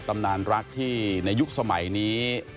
ตำนานรักที่ในยุคสมัยนี้